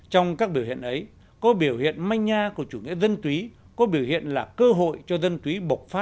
trong các biểu hiện ấy có biểu hiện manh nha của chủ nghĩa dân tùy có biểu hiện là cơ hội cho dân tùy